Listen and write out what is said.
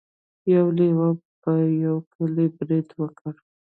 یو لیوه په یوه کلي برید وکړ.